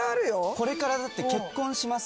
これからだって結婚します。